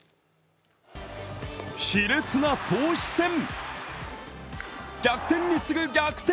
しれつな投手戦、逆転に次ぐ逆転。